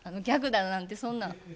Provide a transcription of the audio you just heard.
ギャグだなんてそんな。